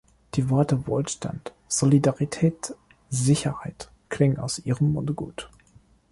Die Worte "Wohlstand, Solidarität, Sicherheit" klingen aus Ihrem Munde gut.